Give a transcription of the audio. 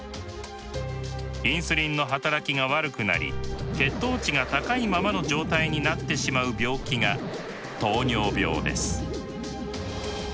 インスリンの働きが悪くなり血糖値が高いままの状態になってしまう病気が糖尿病です。